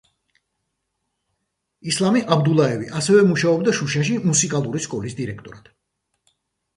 ისლამი აბდულაევი ასევე მუშაობდა შუშაში მუსიკალური სკოლის დირექტორად.